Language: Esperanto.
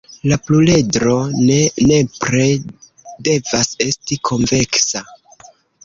La pluredro ne nepre devas esti konveksa.